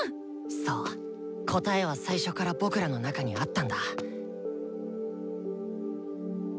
そう答えは最初から僕らの中にあったんだ。